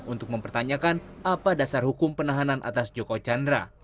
untuk mempertanyakan apa dasar hukum penahanan atas joko chandra